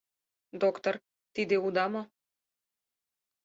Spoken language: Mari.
— Доктор, тиде уда мо?